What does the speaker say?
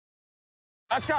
あっきた！